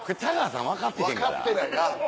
分かってないな。